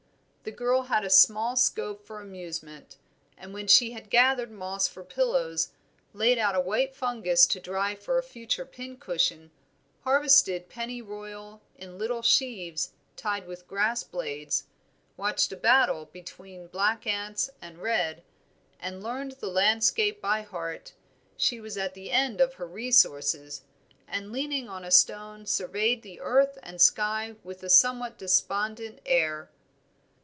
The girl had small scope for amusement, and when she had gathered moss for pillows, laid out a white fungus to dry for a future pin cushion, harvested penny royal in little sheaves tied with grass blades, watched a battle between black ants and red, and learned the landscape by heart; she was at the end of her resources, and leaning on a stone surveyed earth and sky with a somewhat despondent air.